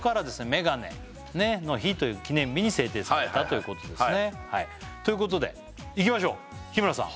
メガネの日という記念日に制定されたということですねということでいきましょう日村さん